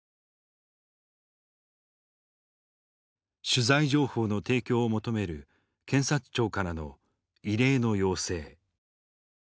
取材情報の提供を求める検察庁からの異例の要請。